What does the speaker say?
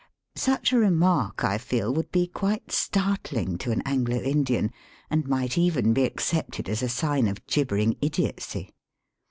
'' Such a remark I feel would be quite start ling to an Anglo Indian, and might even be accepted as a sign of gibbering idiotcy.